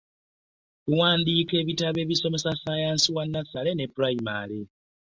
Tuwandiika ebitabo ebisomesa ssaayansi wa nasale ne pulayimale.